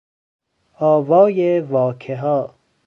آوای واکهها